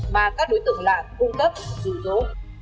mà các đối tượng lạc cung cấp dù dỗ